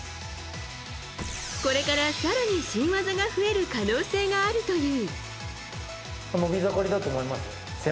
これから更に新技が増える可能性があるという。